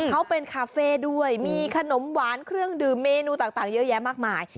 เขาเป็นคาเฟ่ด้วยมีขนมหวานเครื่องดื่มเมนูต่างเยอะแยะมากมาย